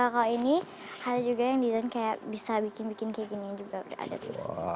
kalo ini hanna juga yang design kayak bisa bikin bikin kayak gini juga udah ada tuh